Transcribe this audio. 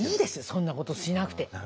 そんなことしなくて。